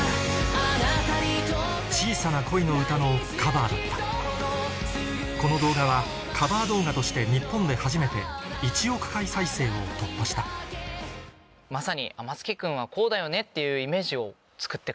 『小さな恋のうた』のカバーだったこの動画はカバー動画として日本で初めて１億回再生を突破したまさに「天月君はこうだよね」っていう。